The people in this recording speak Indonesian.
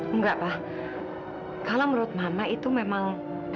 enggak pak kalau menurut mama itu memang